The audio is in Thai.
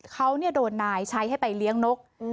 เขาโดนนายใช้ให้ไปเลี้ยงนก